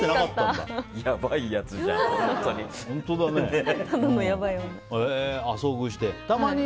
やばいやつじゃん、本当に。